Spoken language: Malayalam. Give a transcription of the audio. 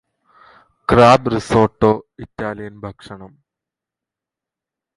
ക്രാബ് റിസോട്ടോ ഇറ്റാലിയൻ ഭക്ഷണം